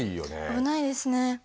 危ないですね。